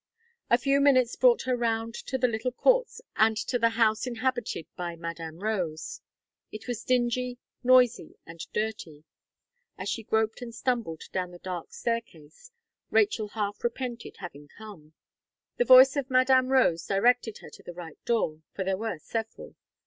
A few minutes brought her round to the little courts and to the house inhabited by Madame Rose. It was dingy, noisy, and dirty; and as she groped and stumbled down the dark staircase, Rachel half repented haying come. The voice of Madame Rose directed her to the right door for there were several.